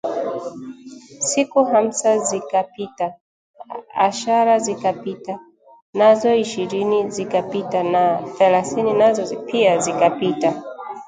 Siku hamsa zikapita, ashara zikapita, nazo ishirini zikapita na thelathini nazo pia zikapita